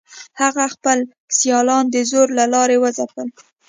هغه خپل سیالان د زور له لارې وځپل.